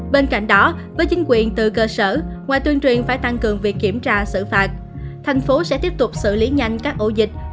bên cạnh đó với chính quyền từ cơ sở ngoài tuyên truyền phải tăng cường việc kiểm tra xử phạt thành phố sẽ tiếp tục xử lý nhanh các ổ dịch